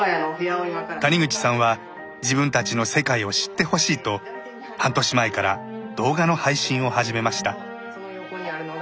谷口さんは自分たちの世界を知ってほしいと半年前から動画の配信を始めました。